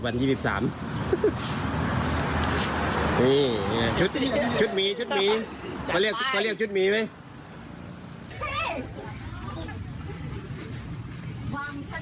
นี่ชุดชุดหมีชุดหมีจะเรียกชุดหมีไหม